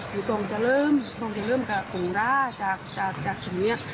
อยู่ตรงจะเริ่มกับกรงราศาสตร์จากที่นี้